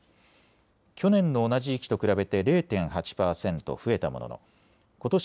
去年の同じ時期と比べて０．８％増えたもののことし